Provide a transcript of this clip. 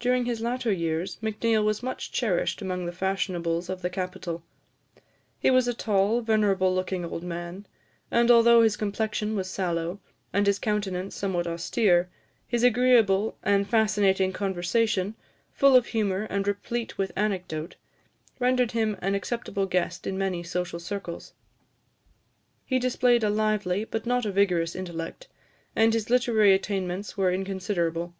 During his latter years, Macneill was much cherished among the fashionables of the capital. He was a tall, venerable looking old man; and although his complexion was sallow, and his countenance somewhat austere, his agreeable and fascinating conversation, full of humour and replete with anecdote, rendered him an acceptable guest in many social circles. He displayed a lively, but not a vigorous intellect, and his literary attainments were inconsiderable.